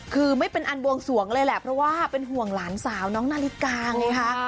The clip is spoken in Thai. คือไม่เป็นอันบวงสวงเลยแหละเพราะว่าเป็นห่วงหลานสาวน้องนาฬิกาไงคะ